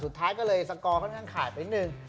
สุดท้ายก็เลยสกอร์ค่อนข้างขาดไปนิดนึง